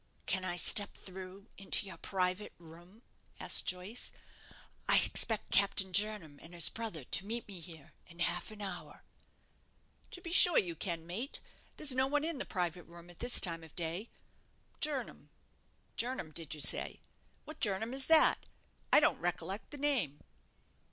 "Can I step through into your private room?" asked Joyce; "I expect Captain Jernam and his brother to meet me here in half an hour." "To be sure you can, mate. There's no one in the private room at this time of day. Jernam Jernam, did you say? What Jernam is that? I don't recollect the name."